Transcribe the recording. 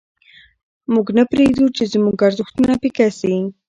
موږ نه پرېږدو چې زموږ ارزښتونه پیکه سي.